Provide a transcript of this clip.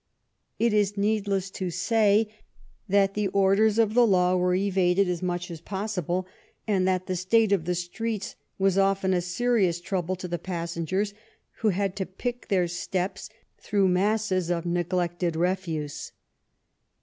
It is needless to say that the orders of the law were evaded as much as possible, and that the state of the streets was often a serious trouble to the passengers, who had to pick their steps through masses of neglected ?00 THE LONDON OP QUEEN ANNE refuse.